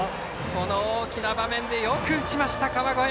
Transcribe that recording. この大きな場面でよく打ちました、川越。